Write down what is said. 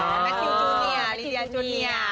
แมททิวจูเนียลิเดียจูเนีย